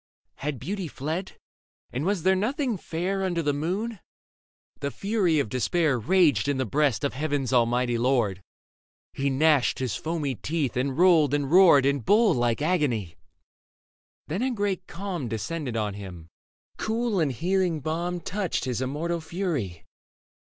Had beauty fled, and was there nothing fair Under the moon ? The fury of despair Raged in the breast of heaven's Almighty Lord ; He gnashed his foamy teeth and rolled and roared In bull like agony. Then a great calm Descended on him : cool and healing balm Touched his immortal fury.